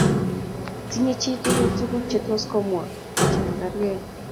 Tinyei chii tugul tuguk chetos komwa chemgergei